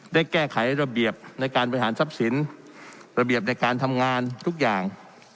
ได้แก้ไขระเบียบในการบริหารทรัพย์สินระเบียบในการทำงานทุกอย่าง